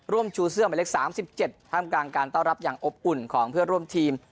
ร่วมชูเสื้อหมายเล็กสามสิบเจ็ดท่านการการเต้ารับอย่างอบอุ่นของเพื่อร่วมทีม